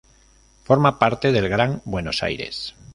Forma parte del Gran Buenos Aires.